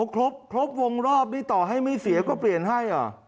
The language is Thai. ครบวงรอบนี่ต่อให้ไม่เสียก็เปลี่ยนให้เหรอ